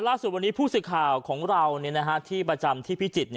ล่าสุดวันนี้ผู้สื่อข่าวของเราที่ประจำที่พิจิตร